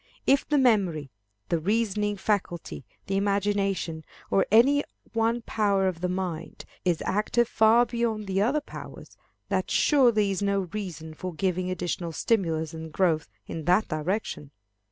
If the memory, the reasoning faculty, the imagination, or any one power of the mind, is active far beyond the other powers, that surely is no reason for giving additional stimulus and growth in that direction.